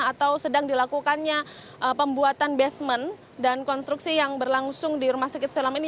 atau sedang dilakukannya pembuatan basement dan konstruksi yang berlangsung di rumah sakit siloam ini